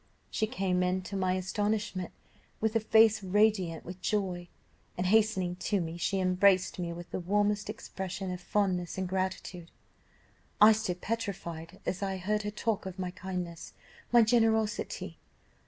She came in, to my astonishment, with a face radiant with joy, and hastening to me she embraced me with the warmest expression of fondness and gratitude. I stood petrified as I heard her talk of my kindness my generosity.